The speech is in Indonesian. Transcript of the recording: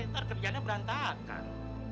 ntar kerjanya berantakan